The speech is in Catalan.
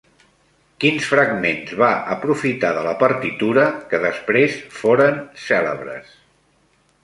Quins fragments va aprofitar de la partitura que després foren cèlebres?